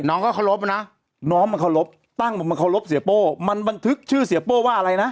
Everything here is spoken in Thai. น้องก็เคารพนะน้องมันเคารพตั้งมันเคารพเสียโป้มันบันทึกชื่อเสียโป้ว่าอะไรนะ